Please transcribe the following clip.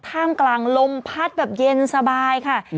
ท่ามกลางลมพัดแบบเย็นสบายค่ะ